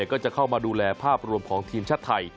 ก็จะเข้ามาดูแลภาพรวมของทีมชาติไทย